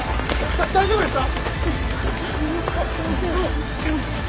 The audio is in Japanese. だっ大丈夫ですか！？